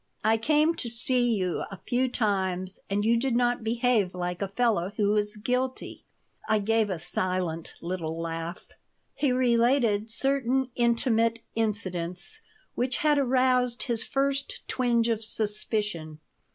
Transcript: I came to see you a few times and you did not behave like a fellow who was guilty." I gave a silent little laugh He related certain intimate incidents which had aroused his first twinge of suspicion.